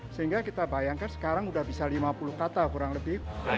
sehingga kita bayangkan sekarang sudah bisa lima puluh kata kurang lebih